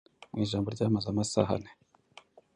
mu ijambo ryamaze amasaha ane